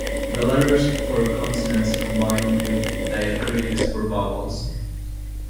The letters for consonants combine with diacritics for vowels.